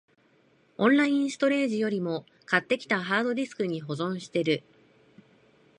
オンラインストレージよりも、買ってきたハードディスクに保存してる